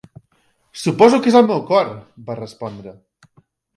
"Suposo que és el meu cor", va respondre.